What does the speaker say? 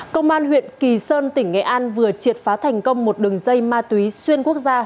công an huyện kỳ sơn tỉnh nghệ an vừa triệt phá thành công một đường dây ma túy xuyên quốc gia